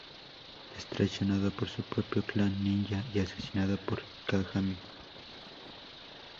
Es traicionado por su propio clan ninja y asesinado por Kagami.